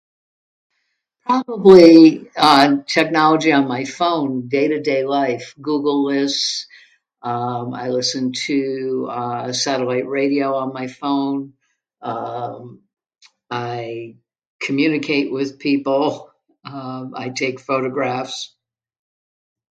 Probably, uh, technology on my phone, day to day life, Google is, I listen to, uh, Satellite Radio on my phone, uhm, I communicate with people, uhm, I take photographs